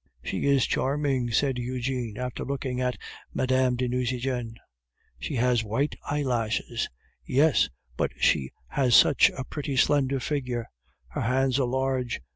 "She is charming," said Eugene, after looking at Mme. de Nucingen. "She has white eyelashes." "Yes, but she has such a pretty slender figure!" "Her hands are large."